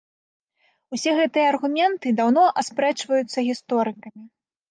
Усе гэтыя аргументы даўно аспрэчваюцца гісторыкамі.